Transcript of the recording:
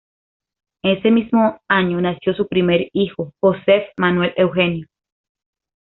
Ese mismo año nació su primer hijo, Josef Manuel Eugenio.